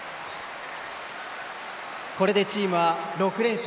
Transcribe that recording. これでチームは６連勝。